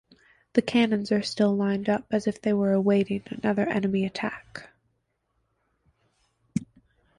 The cannons are still lined up, as if they were awaiting another enemy attack.